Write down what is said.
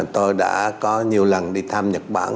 tôi đã có nhiều lần đi thăm nhật bản